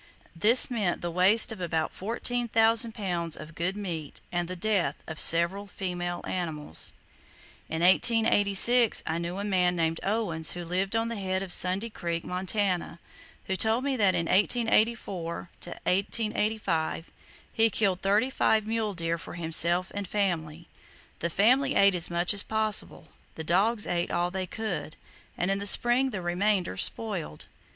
This meant the waste of about 14,000 pounds of good meat, and the death of several female animals. In 1886 I knew a man named Owens who lived on the head of Sunday Creek, Montana, who told me that in 1884 5 he killed thirty five mule deer for himself and family. The family ate as much as possible, the dogs ate all they could, and in the spring the remainder spoiled.